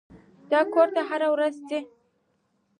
دا کور ته هره ورځ ځي.